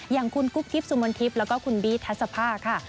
อย่างคุณกุ๊กกิ๊บสุมนทิพย์แล้วก็คุณบีทัศภาค่ะ